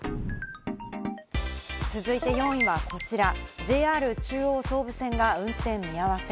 続いて４位はこちら、ＪＲ中央総武線が運転見合わせ。